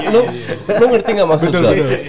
lu ngerti nggak maksudnya